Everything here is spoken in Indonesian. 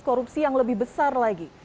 korupsi yang lebih besar lagi